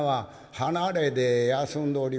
「離れで休んでおります」。